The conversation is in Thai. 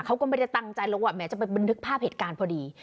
เขาก็ไม่ได้ตั้งใจหรอกว่าแม้จะไปบันทึกภาพเหตุการณ์พอดี